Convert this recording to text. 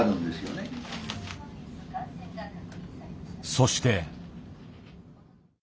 そして。